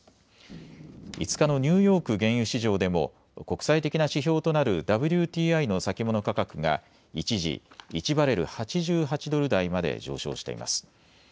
５日のニューヨーク原油市場でも国際的な指標となるＷＴＩの先物価格が一時１バレル８８ドル台まで上昇しています。